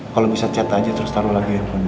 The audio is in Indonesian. kalo bisa chat aja terus taruh lagi handphonenya